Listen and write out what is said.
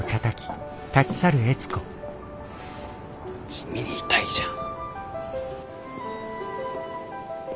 地味に痛いじゃん。